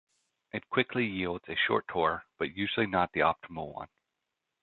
It quickly yields a short tour, but usually not the optimal one.